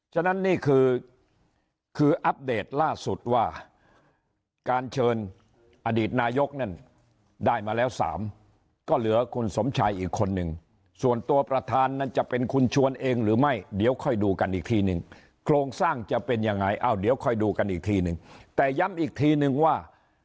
ฉะนั้นนี่คือคืออัปเดตล่าสุดว่าการเชิญอดีตนายกนั่นได้มาแล้ว๓ก็เหลือคุณสมชัยอีกคนนึงส่วนตัวประธานนั้นจะเป็นคุณชวนเองหรือไม่เดี๋ยวค่อยดูกันอีกทีนึงโครงสร้างจะเป็นยังไงอ้าวเดี๋ยวค่อยดูกันอีกทีนึงแต่ย้ำอีกทีนึงว่า